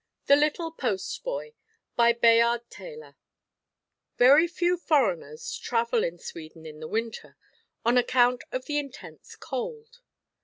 THE LITTLE POST BOY By Bayard Taylor Very few foreigners travel in Sweden in the winter, on account of the intense cold.